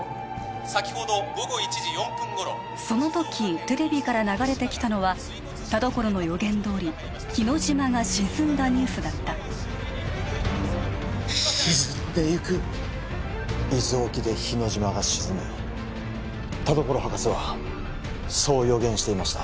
先ほど午後１時４分頃そのときテレビから流れてきたのは田所の予言どおり日之島が沈んだニュースだった沈んでいく伊豆沖で日之島が沈む田所博士はそう予言していました